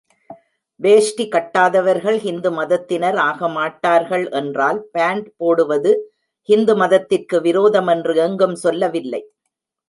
வேஷ்டி கட்டாதவர்கள் ஹிந்து மதத்தினர் ஆகமாட்டார்கள் என்றால், பாண்ட் போடுவது ஹிந்து மதத்திற்கு விரோதம் என்று எங்கும் சொல்லவில்லை.